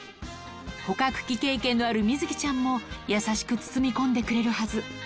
捕獲機経験のあるみづきちゃんも、優しく包み込んでくれるはず。